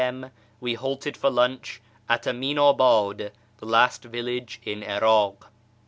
m. we halted for lunch at Ami'n ;ibad, the last village in 'Irak.